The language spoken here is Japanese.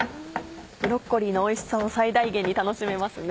ブロッコリーのおいしさを最大限に楽しめますね。